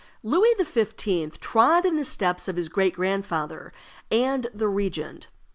Louis XV. trod in the steps of his great grandfather and the regent.